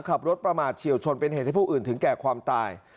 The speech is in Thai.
ขับรถประมาทเฉียวชนเป็นเหตุให้ผู้อื่นถึงแก่ความตาย